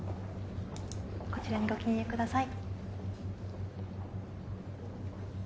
こちらにご記入ください